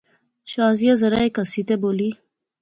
شازیہ ذرا ہیک ہسی تے بولی